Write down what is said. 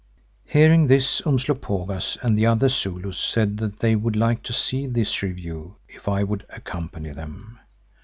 Hearing this, Umslopogaas and the other Zulus said that they would like to see this review if I would accompany them.